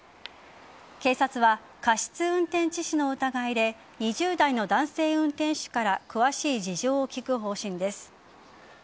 警察は過失運転致死の疑いで２０代の男性運転手から詳しい事情を聴く方針です。